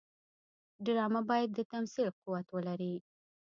ډرامه باید د تمثیل قوت ولري